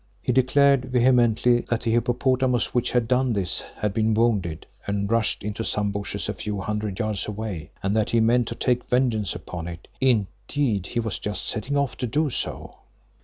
He declared vehemently that the hippopotamus which had done this had been wounded and rushed into some bushes a few hundred yards away, and that he meant to take vengeance upon it. Indeed, he was just setting off to do so.